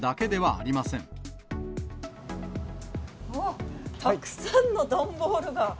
ああ、たくさんの段ボールが。